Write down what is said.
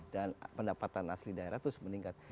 dan pendapatan asli daerah terus meningkat